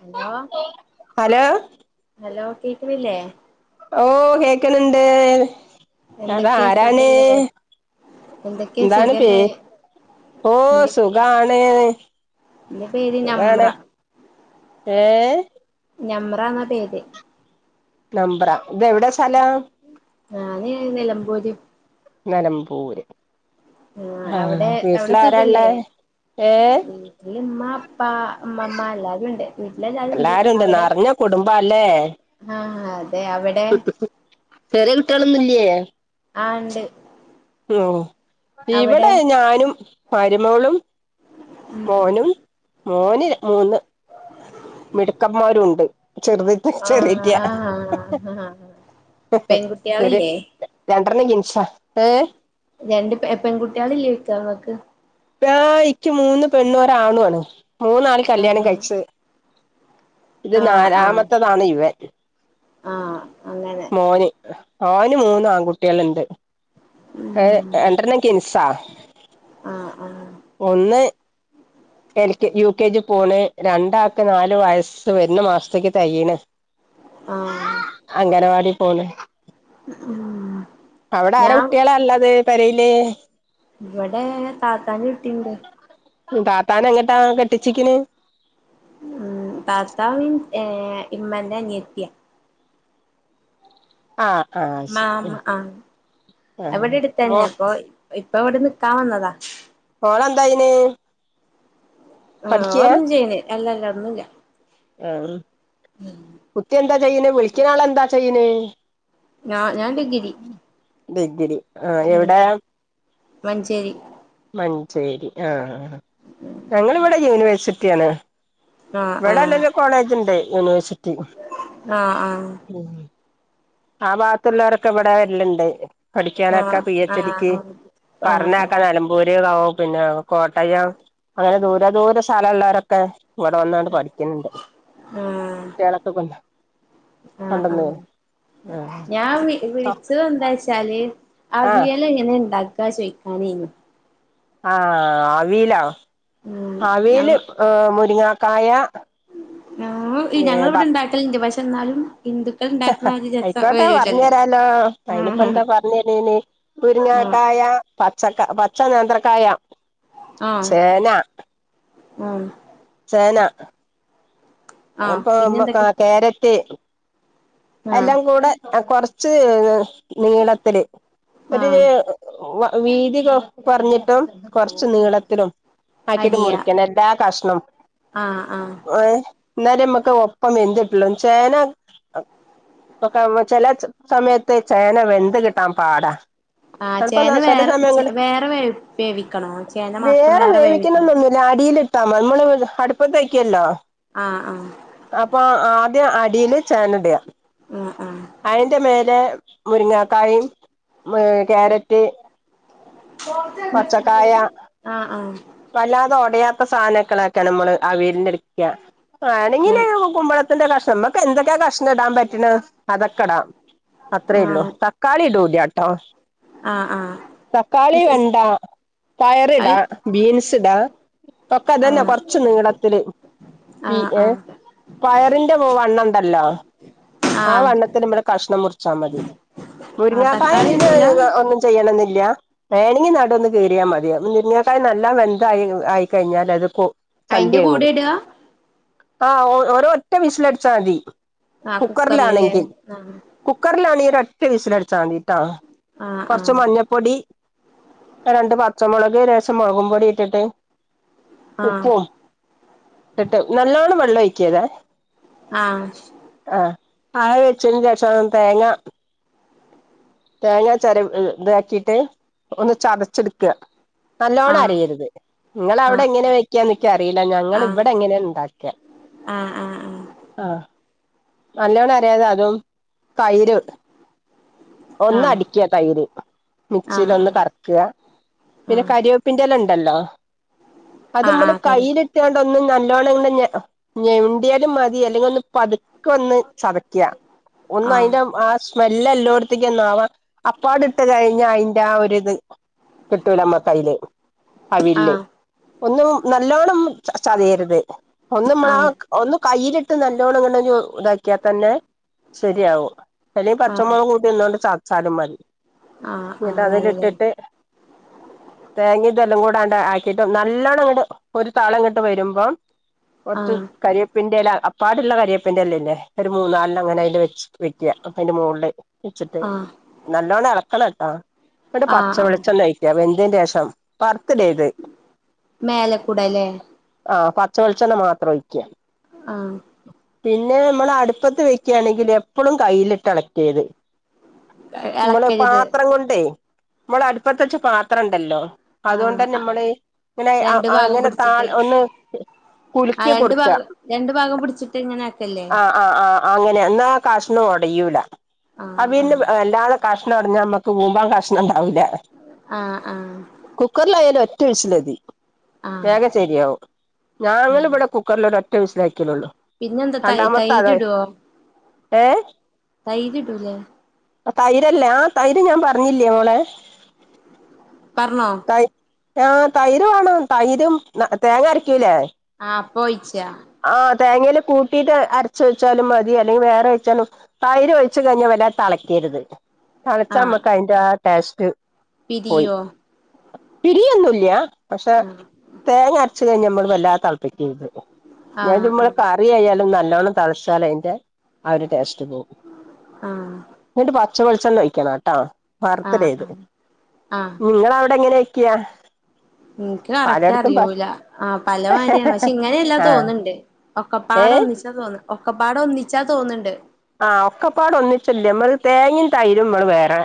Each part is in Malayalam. ഹലോ ഹലോ ഹലോ കേക്ക്‌ണ്ല്ലേ ഓ കേക്ക്‌ണ് ണ്ട് അതാരാണ് എന്തെക്കെ എന്താണ് പേ സുഖല്ലേ ഓ എന്റെ പേ സുഖാണ് എന്റെ പേര് നമ്ര വേണേ ഏഹ് ഞമ്പ്റ ന്ന പേര് നമ്പ്റ ഇത് എവിടെ സ്ഥലം ഞാന് നിലമ്പൂര് നലമ്പൂര് ആ വീട്ടിലാരാള്ളേ വീട്ട്ല് ഇമ്മ ഇപ്പാ ഇമ്മമ്മ എല്ലാരുണ്ട് വീട്ട്ല് എല്ലാരുണ്ട് എല്ലാരും ഉണ്ട് അവടെ നറഞ്ഞ കുടുംബാല്ലേ ആഹ് അതെ അവിടെ ചെറ്യേ കിട്ട്യേളൊന്നും ഇല്ലേ ആ ണ്ട് ഓ ഇവിടെ ഞാനും മരുമോളും ഉം മോനും മോന് മൂന്ന് മിടുക്കന്മാരു ഉണ്ട് ചെറുതിട്ട് ആഹ് ചെറ്യേറ്റ്യ ആഹ് ആഹ് ശരി ര പെൺകുട്ടികളില്ലേ ണ്ട് റ് ണ് ജിൻഷാ ഏ രണ്ട് പെ പെൺകുട്ട്യേള് ഇല്ലേയ്ക്ക ഇങ്ങക്ക് ആ ഇക്ക് മൂന്ന് പെണ്ണും ഒരാണുണ് മൂന്നാളീം കല്യാണം ആഹ് കഴിച്ച് ഇത് ആഹ് ആഹ് നാലാമത്തതാണ് ഇവൻ ആഹ് അങ്ങനെ മോന് ഓന് മൂന്ന ആൺകുട്ടികളുണ്ട് രണ്ടെണ്ണം ടിൻസാണ് ആ ആഹ് ഒന്ന് L K U K G പോണ് രണ്ടാാക്ക നാാലു വയസ്സ് വരുന്ന മാസത്തേക്ക് തയ്യീണ് ആഹ് പോലെ അവിടെ ആര ഞാൻ കുട്ടികളല്ലാത് പെരയില് ഇവിടെ താത്താൻ കുട്ടിണ്ട് താത്താന എങ്ങട്ടാ കെട്ടിച്ചിക്കിന് ഏ ഇമ്മന്റെ നെത്തിയ ആ ആ മാ ശരി മ് ആ ആ അവിടെ മോ എടുത്തന്നെ അപ്പൊ ഇപ്പൊ അവിടെന്ന് കാ വന്നതാ ങ് ള എന്താായിന് ആ ഒന്നും ചെയ്ണി അല്ലല്ല ഒന്നുംല്ല ആ കുട്ടി എന്താ ചെയ്ണ്? വിളിക്കിണ ആൾ എന്താ ചെയ്ണെ ഞാ ഞാൻ ഡി ഗി രി ഡിഗ്രി ആ എവിടെ മഞ്ചേരി മഞ്ചേരി ആഹ ആ ഞങ്ങിവിടെ യൂണിവേഴ്സിറ്റിയ ആണ് ആഹ് ഇവിടെ ആഹ് അല്ലെങ്കിൽ കോളേജ് ഉണ്ട് യൂണിവേഴ്സിറ്റി ആഹ് ആ ഭാഗത്തുള്ളവരൊക്കെ ഇവിടെ വരനുണ്ട് പഠിക്കാനൊക്കെ ആഹ് പി ആഹ് എച്ച്ടിക്ക് ആഹ് ആഹ് ആഹ് പറഞ്ഞൊക്കെ ആഹ് നിലമ്പൂര് പിന്നെ കോട്ടയം അങ്ങനെ ദൂരെ ദൂര സ്ഥലംള്ളവരൊക്കെ ഇവിടെ വന്നണ്ട് പഠിക്കുന്നുണ്ട് കുട്ടികളൊക്കെ കൊണ്ട് ആഹ ആഹ ഞാൻ വിളിച്ചത് എന്താചാല് ആ അവിയല് എങ്ങനെ ഉണ്ടാക്കുക ചോദിക്കാനി ആഹ അവിയലോ, ഉം ഞങ്ങ അവിയല് ഏ മുരിങ്ങാക്കായ- ആ് ഞങ്ങ ഇവിടെ ഇണ്ടാക്കല ഇന്റെ പക്ഷെ എന്നാലും- ഹിന്ദുക്കൾ ഇണ്ടാക്കണ ഒരു രസം ആയിക്കോട്ടെ പറഞ്ഞ വരൂലല്ലോ തരാലോ അയിനിപ്പ ആഹ് എന്താ പറഞ്ഞരന് ആഹ് മുരിങ്ങാക്കായ- പച്ചക്ക പച്ച നേന്ത്രക്കായ ആഹ് ചേന ആഹ് ചേന ആഹ് അപ്പൊ പിന്നെന്തൊക്കെ കാരറ്റ് ആഹ് എല്ലാം കൂടെ കുറച്ച്- നീളത്തില് ഒരു ആഹ് വീതി കുറഞ്ഞിട്ട് കുറച്ച് നീളത്തിലും ആക്കിയിട്ട് മുറിക്കാം എല്ലാ കഷ്ണം ആഹ ആഹ എന്നന്നാല നമ്മക്ക് ഒപ്പം എന്തിട്ടുള്ളൂ ചേന- ഒക്കെ ചില സമയത്ത് ചേന വെന്ത് കിട്ടാം പാട ആഹ് എപ്പ ചേന ചില വേറെ സമയങ്ങള് വേറെ വേ വേവിക്കണോ ചേന മാത്രം വേറെ വേവിക്കണോ വേവിക്കുന്നന്നൊന്നുമില്ല അടിയിട്ട് അടുപ്പ തയ്ക്കല്ലോ ആഹ് അപ്പൊ ആ അടിയില് ചേനയിടുക, ആഹ് അതിന്റ മേലേ മുരിങ്ങക്കായേ- ഏ ക്യാരറ്റ് പച്ചക്കായ ആഹ ആഹ സാധനക്കൊക്കെ നമ്മള് അവിയലിനെടുക്കാം വേണെങ്കിൽ ആഹ് കുമ്പളക്കാ- കഷ്ണം നമുക്ക് എന്തൊക്കെയ കഷ്ണം ഇടൻ പറ്റണണ് അതക്കെടാ അത്രേയള്ളൂ ആഹ് തക്കാളി ഇടുലാ കേട്ടോ ആഹ് തക്കാളി ആഹ് ആഹ് വെണ്ട അത് പയറിടാ ബീൻസ് പൊക്കെ അതന്നെ ആഹ് കൊറച്ചുന്ന് നീളത്തില്- ആഹ് ആഹ് പയറിന്റെ വണ്ണംയുണ്ടാലോ ആ ആഹ് വണ്ണത്തിൽ നമ്മടെ കഷ്ണം മുറിച്ചാ മതി ആഹ് മുരിങ്ങാക്കായ തക്കാളി പിന്നെ ഇടൂല ഒന്നും ചെയ്യ- വേണമെങ്കിൽ നടൊന്ന് കയറിയാ മതി നിർഞ്ഞക്കായ നല്ല വെന്തായി ആയിക്കഴിഞ്ഞാൽ അത്- അയിന്റെ ചണ്ടിയായി കൊണ്ടും കൂടെടുക ആ ഓരോ ഒറ്റ വിസിലടിച്ചാൽ മതി ആഹ് കുക്കറില്ല്ലേ കുക്കറിലാണെങ്കിൽ ആഹ് കുക്കറിലാണങ്കര ഒരൊറ്റ വിസിലടിച്ചാൽതിട്ടാ കുറച്ച് ആഹ് മഞ്ഞപ്പൊടി രണ്ട് പച്ചമുളക് മുളകും പൊടി ഇട്ടിട്ട് ഉപ്പും ഇിട്ട് നല്ലോണ് വെള്ളം ഒഴിക്കിയതാ ആഹ ആഹ ആ വെച്ചന് ശേഷം തേങ്ങ തേങ്ങാ ചര ഇതാക്കിട്ട് ഒന്ന് ചതച്ചെടുക്കുക ആഹ് നല്ലോണം ആഹ് അറിയരുത് നിങ്ങള അവിടെ എങ്ങനെ വെക്കാ എന്നൊക്ക അറിയില്ല ഞങ്ങ ഇവിടെ എങ്ങനെ ഉണ്ടാക്ക- ആഹ ആഹ നല്ലോണം അരതെ അതും തൈര് - ആഹ് ആഹ് ഒന്ന് ആഹ് അടിക്കുക തൈര് മിക്സിൽ ഒന്ന് ആഹ് കറക്കുക പിന്നെ ആഹ് കറിവേപ്പിന്റെ എല്ലാം ഉണ്ട- അ ആഹ് നമ്മ ആഹ് ക തരും ഒ നല്ലോണം ഇ ഞെവിണ്ടിയാലും മതി അല്ലെങ്കിൽ ഒന്ന് പതുക്ക വന്ന് ചതക്കുക ഒന്ന ആഹ് അതിന്റെ ആ സ്മെല് എല്ലോടത്ത ാവാ അപ്പാട് ഇട്ട് കഴിഞ്ഞ അതിന്റെ ആ ഒരി ഇത് കിട്ടൂലമ്മ കയ്യിലേ അവവിൽേ ആഹ് ഒന്നും നല്ലോണ്ണം ചർച്ച ചെയ്യരുത് ഒന്ന് നമ്മള ആഹ് ആഹ് ഒന്ന് കയ്ൽ നല്ലോണ്ണം ഇങ്ങ ഇതാക്കിയാൽ തന്നെ ശരിയാവും അല്ലെങ്ക ആഹ് പച്ചമുളക് കൂട്ടിന്നണ്ട് സ സാലും മര എന്നിട്ട അതില ഇട്ടിട്ട് ഉ തേങ്ങ ഇതെല്ലാം കൂടാണ്ട് ആക്കിട്ടും നല്ലോണം അങ്ങോട്ട് ഒരു താളം ഇങ്ങോട്ട് വരുമ്പം കൊറച്ച് ആഹ് കരിവപ്പിന്റെല അപ്പാടുള്ള കരിയപ്പിന്റെ അല്ലേല്ലേ ഒരു മൂന്ന നാലിന് അങ്ങനെ അതി വ വെക്കുക അപ്പ അതിന്റെ മുകളില് വെച്ചിട്ട് ആഹ് നല്ലോണ്ണം ഇളക്കണം കേട്ടാ എന്നട്ട് ആഹ് പച്ച ആഹ് വെളിച്ചന്നഴിക്ക വെന്തിന് ശേഷം ത് മേലെക്കൂടെല്ലേ ആ പച്ചവെളിച്ചെണ്ണ മാത്രം ഒഴിക്ക ആഹ പിന്നെ നമ്മൾ അടുപ്പത്ത് വെക്കയാണെങ്കിൽ എപ്പഴും കയ്ൽി് അളക്ട് ചെയ്ത് നമ്മള് എളക്കരുത് പാത്രം കൊണ്ടേ നമ്മള അടുപ്പത്ത വച്ച പാത്രം ഉണ്ടല്ലോ ആഹ് അതുകൊണ്ട്ന്നെ നമ്മള് ഇങ്ങനെ രണ്ട് ഭാഗം ഇങ്ങനെ താ പിടിച്ചിട്ട് ഒന്ന് ആ കുലുക്കി രണ്ട് കൊടുക്ക ഭാഗം രണ്ട് ഭാഗം പിടിച്ചിട്ട് ഇങ്ങനെ ആക്കല്ലേ ആഹ ആഹ ആഹ് അങ്ങനെ എന്നാ കാശ നോടയൂല അ ആഹ് വീും ആഹ് എല്ലാളും കഷ്ണംമടഞ്ഞാ നമ്മുക്ക് മൂമ്പാം കഷ്ണം ഉണ്ടാവില്ല ആ ആ ഒറ്റ വിസിലതി േഗ ശരിയാവും ഞങ്ങ ആഹ് ഇവിടെ കുക്കറൽ ഒറ്റ വിസിലാക്കി ള്ളൂ പിന്നെന്താ തൈ രണ്ടാമത്തെ അത തൈര് ഏ തയ് കിട്ടൂലേ തൈരല്ലേ ആ തൈര് ഞാൻ പറഞ്ഞില്ലേ മോളെ പറണോ ആ് തൈര് വേണംോ തൈരും തേങ്ങ അരക്കൂല്ലേ പോയിച്ചാ തേങ്ങയിൽ കൂട്ടിയിട്ട് അരച്ച വെച്ചാലും മതി അല്ലെങ്കിൽ വേറെ ഒഴച്ചാലും തൈര് ഒഴിു കഴിഞ്ഞൽ വല്ലത ളക്കി തളച്ച ആഹ് നമ്മക്ക് അതിന്റെ ആ ടാസ്റ്റ് പിരിയോ പിരിയൊന്നുംല്ല പക്ഷെ ആഹ് തേങ്ങ അരച്ച് കഴിഞ്ഞ നമ്മള് വല്ലാ തിളപ്പിക്കത് ഞാൻ ആഹ് ചുമ്മളെ ആഹ് കറിയായാലും നല്ലോണം തളസാല അതിന്റെ ആ ഒരു ടേസ്റ്റ് പോവും ആഹ് എന്നിട്ട് പച്ച വെളിച്ചെണ്ണ ഒഴിക്കണം ട്ടാ ആഹ് വർത്ത്ഡേത് ആഹ് ആഹ് നിങ്ങവിടെ എങ്ങനെ വാക്ക്യ? എനിക്ക് കറക്റ്റ് അറിയൂല ആഹ് പലമാതിരിയാണ് പഷേ ഇങ്ങനെയല്ലാ ആഹ് തോന്ന്ണ്ട്. ഒക്കപ്പാട ഏഹ് ഒന്നിച്ചാ തോന്ന് ഒക്കെപ്പാട ഒന്നിച്ചാ തോന്നുണ്ട്. ആഹ് ഒക്കെപ്പാട് ഒന്നിച്ചില്ലേ നമ്മള് തേങ്ങം തൈരും നമ്മള് വേറെ.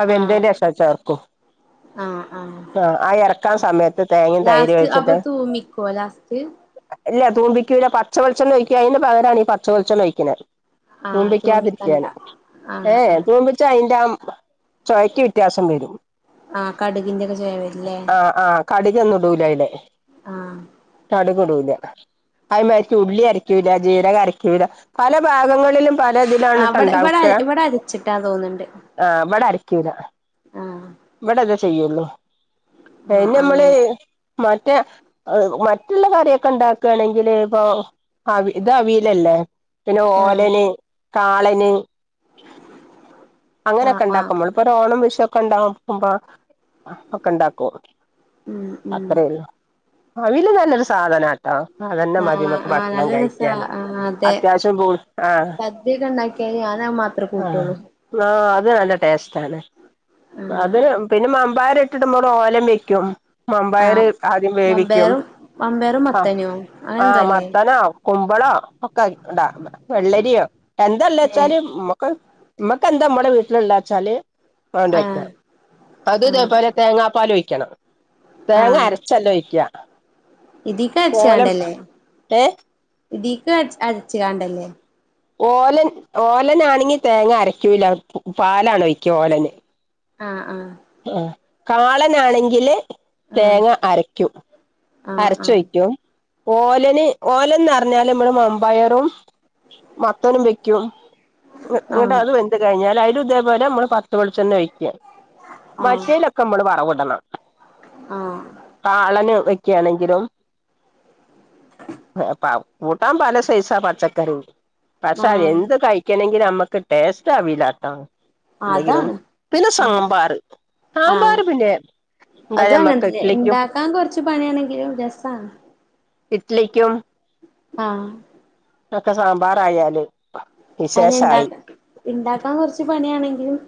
അത് ആഹ് വേന്തേനെഷാ ചേർക്കു. ആഹ് ആ ഇറക്കാൻ ആഹ് സമയത്ത് തേങ്ങം തൈര് ലാസ്റ്റ് അപ്പൊ ഓഴിച്ചിട്ട്. തൂമിക്കോ ലാസ്റ്റ് ഇല്ല തുമ്പിക്കുല്ല പച്ച വെളിച്ചെണ്ണ ഒഴിക്കും അയിന് പകരാണി പച്ചവെളിച്ചെണ്ണ ഒഴിക്കുന്നെ ആഹ് തൂമിക്കണ്ട തൂപിക്കാതിരിക്കാന് ആഹ് ഏഹ് ആഹ് തൂപിച്ചാഴിമ്പം ചോയിക്ക് വ്യത്യാസം വരും. ആഹ് കടുകിന്റെക്കെ ചൊഴവരുംലെ കടുകൊന്നുടൂലായില്. ആഹ് കടുകിടൂല അത് മാരിച്ച് ഉള്ളി അരിക്കൂല, ജീരകരിക്കൂല പല ഭാഗങ്ങളിലും. പല ആഹ് ഇതിലാണ്‌ട്ടോ ഇവിടെ ഇവിടെ ഉണ്ടാവക്ക ഇവിടെ അരച്ചിട്ടാ തോന്നുന്നുണ്ട് ആഹ് ഇവിടെ അ രിക്കൂല ആഹ് ഇവിടെ ഇതേ ചെയ്യുള്ളു. എ ആഹ് ഇഞമ്മള്. അങ്ങനെ മറ്റേ മറ്റുള്ള കാറിക്കെ ഉണ്ടാക്കാണെങ്കില് ഇപ്പൊ. അവ ഇത് അവയിലല്ലേ പിന്നെ ആഹ് ഓലന്, കാളന്. ആഹ് അങ്ങനെക്കെ ആഹ് ഉണ്ടാക്കുമ്മൾ ഇപ്പോ ഓണം വിഷ് [unintelligible] ഉണ്ടാവ്മ്പോ ഒക്കെ ഇണ്ടാക്കും. ഉം ഉം അവീല് നല്ലൊരു സാധന. അ അതന്നെ ആഹ് മതിമക്ക് ആഹ് ഭക്ഷണം നല്ല കഴിക്കാന്. അത്യാവശ്യം ആഹ് സദ്യക്കണ്ടാക്കിയ ഞ ആഹ് ആ അത് നല്ല ടേസ്റ്റ് ആണ്. ആഹ് അതിന് പിന്നെ മാ പയറിട്ട്ട് നമള് ഓലൻ വക്കും. മമ്പയർ ആഹ് ആദ്യം വേവിക്കും. മമ്പയറും മമ്പയറും ആ മത്തനോ അങ്ങനെ ആ എന്തോ അല്ലേ മത്തന, കുമ്പ [inaudible] ഏഹ് മ്മക്കെന്താ മ്മളെ വീട്ടില ള്ളച്ചാല് അത് അങ്ങട് വയ്ക്കാ. ആഹ് അത് ആഹ് ഇതേപോലെ തേങ്ങാ പാലൊഴി ക്കണം. തേങ്ങ അരച്ചല്ല ഒഴിക്ക ഇതക്ക് അരച്ച കാണ്ടല്ലേ, ഏ ഇതീക്ക് അരച്ച് അരച്ച്കാണ്ടല്ലേ ഓലൻ ഓലനാണെങ്കി തേങ്ങ അരക്കൂല്ല പാലാണ് ഒയ്ക്ക ഓലന്. ആഹ് ആഹ് ആ കാളനാണെങ്കില്. ആഹ് തേങ്ങ അരക്കും. ആഹ് അരച്ചൊയ്ക്കും. ഓലന്, ഓലന്ന് പറഞ്ഞാല് നമ്മൾ മമ്പയറും, മത്തനും വെക്കും. ആഹ് ങ്ങട്ട് ആഹ് അതും വെന്ത് കഴിഞ്ഞാല്. അതും ഇതേപോലെ പച്ച വെളിച്ചെണ്ണ ഒഴിക്ക. ആഹ് മറ്റയിലൊക്കെ മ്മള് വറവിടണം. ആഹ് കാളന് വോ ഴിക്കാണെങ്കിലും വേപ്പാ കൂട്ടാൻ പല സൈസാ പച്ചക്കറി. പക്ഷെ അത് ആഹ് ന്ത് കഴിക്കണെങ്ക ഇലും നമ്മക്ക് ടേസ്റ്റ് അവിലാട്ടൊ. ടങ്കിലും അതാണ് പിന്നെ ഉം സാമ്പാർ. സാമ്പാർ ആഹ് പിന്നെ. ഉണ്ടായ അതും നമ്മക്ക് അങ്ങനത്തന്നെ ഇഡ്ലിക്കും ഉണ്ടാക്കാൻ കൊറച്ച് പണിയാണെങ്കിലും രസാണ്. ഇട്ട്ലിക്കും. ആഹ് ഒക്കെ സാമ്പാർ ആയാല് അതിനെ ഇണ്ടാക്ൻ ഇണ്ടാക്കാൻ കുറച്ച് പണിയാണ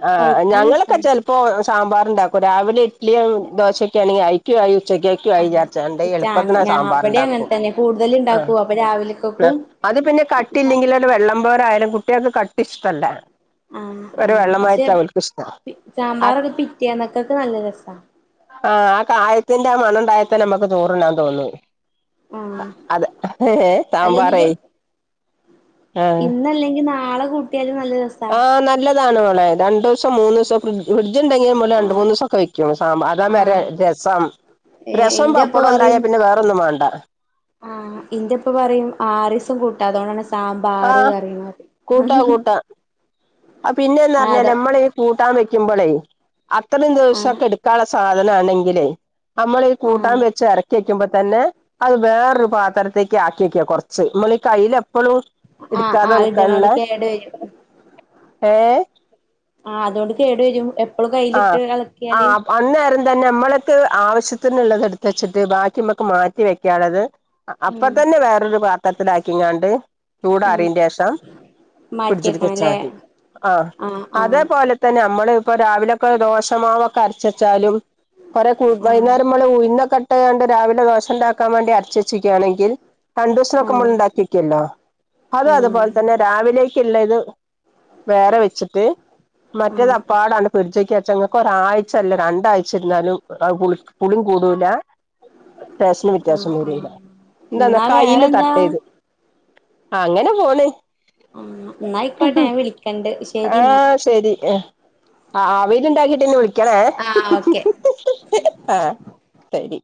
ആ ഞങ്ങളൊക്കെ ചെലപ്പോ സാമ്പാറുണ്ടാക്കും. രാവിലെ ഇഡ്ലിയും, ദോശൊക്കെ ആണെങ്കിൽ അയ് ഉച്ചകേക്കു ആയി ആഹ് വിചാരിച്ചാണ്ട് ഉച്ച എളുപ്പത്തിന ഞാ സാമ്പാർ അവിടെ അങ്ങനെ ഉണ്ടാക്കും. തന്നെ കൂടുതൽ ഇണ്ടാക്കും അപ്പൊ രാവിലക്കൊക്കും അത് പിന്നെ കട്ടില്ലെങ്കിൽ ഒരു വെള്ളം പോലെ ആയാലും കുട്ടേക്ക് കട്ടി ഇഷ്ടല്ല. ആഹ ഒരു ആഹ് പക്ഷെ വെള്ളമായിട്ടാ അവൾക്ക് ഇഷ്ടം ആ സാമ്പാറൊക്കെ പിറ്റയാന്നൊക്കെക്കെ നല്ല രസമാണ് ആഹ് ആ കായത്തിന്റെ മണമുണ്ടായി ഇ നമുക്ക് ചോറുണ്ണാൻ തോന്നുന്നു ആഹ് അത് അല്ല സാംബാരെ ഇനിയിപ്പോ ഇന്നല്ലെങ്കി നാളെ കൂട്ടിയാലും നല്ല ദിവസാ ഇതാണ് മോളെ രണ്ടും മൂന്ന് ദിവസം ഒക്കെ ഫ്രിഡ്ജ് ഉണ്ടെങ്കിലും പോലെ രണ്ട ആഹ് മൂന്ന് ദിവസൊക്കെ വെക്കും വേറെ ആഹ് രസം ഏഹ് രസം പപ്പടം ഉണ്ടായ പിന്നെ വേറൊന്നും വേണ്ട ആ ഇന്റെ ഇപ്പ പറയും ആറീസും കൂട്ടാ അതുകൊണ്ടാണ് ആ സാമ്പാർ അറിയതി അ പിന്നെന്ന് പറഞ്ഞാല് നമ്മളീ ഈ കൂട്ടാൻ വെക്കുമ്പോളേ അത്രയും ആഹ് ദിവസമൊക്കെ എടുക്കാനുള്ള സാധന ആണെങ്കിലേ നമ്മൾ ഈ കൂട്ടാൻ ആഹ് വെച്ച് ഇറക്കി തന്നെ അത് വേറൊരു പാത്രത്തേക്ക് ആക്കിക്ക കുറച്ച് നമ്മൾ എപ്പോഴും ആഹ് എടുക്കാതെ നോക്കാനല്ല ആ അതുകൊണ്ട് കേടു വരും എപ്പളും ആഹ കയ്യിലിട്ട് ആ് എളക്കിയാല് അ അന്നേര ന്നെ നമ്മളൊക്ക ആവശ്യത്തിനള്ളത് എടുത്ത് വച്ചിട്ട് ബാക്കി നമ്മക്ക് മാറ്റി വെക്കാനുള്ളത് അപ്പൊ ഉം തന്നെ വേറൊരു പാത്രത്തിൽ ആക്കിങ്ങാണ്ട് ഉം ചൂടാറിയന്റെ ഷം ഫ്രിഡ്ജിക്ക് വെച്ചാ മാറ്റിയെക്കണല്ലേ മതിആഹ ആഹ് ആഹ് അതേപോലെ തന്നെ നമ്മള് ഇപ്പൊ രാവിലെക്കെ ദോശമാവൊക്കെ അരച്ചച്ചാലും കുറെ ആഹ് വൈകുന്നേരം നമ്മൾ ഉഴുന്നൊക്കെ ഇയാണ്ട് രാവിലെ ദോശ ഉണ്ടാക്കൻ വേണ്ടി അരച്ചെച്ചക്കുകയാണെങ്കിൽ രണ്ട് ദിവസൊക്കെ നമ്മൾ ആഹ് ഉണ്ടാക്കിക്കല്ലോ അത അതുപോലെ ആഹ് തന്നെ രാവിലേക്ക ഉള്ള ഇത് വേറെ വെച്ചിട്ട് മറ്റേത് ആഹ് അപ്പാടാണ് ആണ് ഫ്രിഡ്ജ് ച്ചങ്ങക്ക് ഒരാഴ്ചല്ല രണ്ടാഴ്ചരുന്നാലുംളി പുളിയും കൂടൂല ടേസ്റ്റിന് ആഹ് വ്യത്യാസരൂല ആഹ് എന്താന്നാ ന്നാ കയ്യില് വേറെന്താ തട്ടരുത് അങ്ങനെ പോണ് ആ എന്ന അയ്േക്കട്ടെ ഞാൻ വിളിക്കണ്ട് ശരി എന്നാ. ആഹ് ശരി അവിൽ ഉണ്ടാക്കി വിളിക്കണേ ആഹ് ഓക്കെ. ആ ശരി